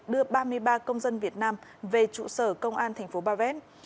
đưa ba mươi ba công dân việt nam về trụ sở công an thành phố ba vét